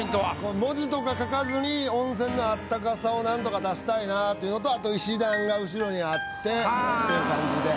文字とか書かずに温泉のあったかさを何とか出したいなっていうのとあと石段が後ろにあってっていう感じで。